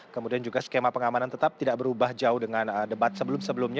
kemudian juga skema pengamanan tetap tidak berubah jauh dengan debat sebelum sebelumnya